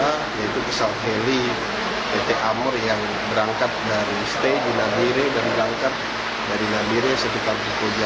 yaitu pesawat heli pt amur yang berangkat dari stay di nabire